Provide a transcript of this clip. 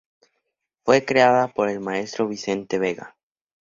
Fue creada por el maestro Vicente Vega.